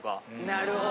なるほど。